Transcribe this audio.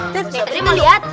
tidak bisa beri melihat